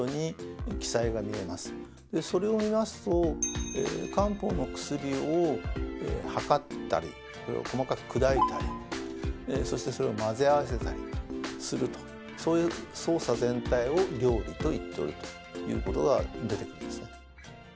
それを見ますと漢方の薬をはかったりそれを細かく砕いたりそしてそれを混ぜ合わせたりするとそういう操作全体を「料理」と言っておるということが出てくるんですね。